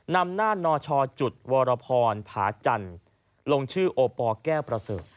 นำหน้านชจุดวรพรผาจันทร์ลงชื่อโอปอลแก้วประเสริฐ